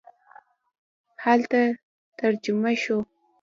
هلته ترجمه شو.